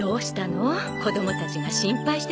子供たちが心配してたわよ。